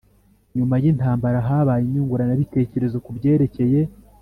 Nyuma y intambara habaye iyunguranabitekerezo ku byerekeye